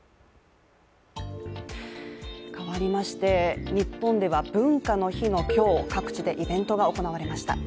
変わりまして、日本では文化の日の今日各地でイベントが行われました。